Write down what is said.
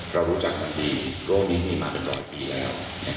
เรารู้จักกันดีโลกนี้มีมาเป็นร้อยปีแล้ว